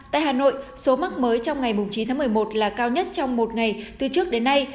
tại hà nội số mắc mới trong ngày chín tháng một mươi một là cao nhất trong một ngày từ trước đến nay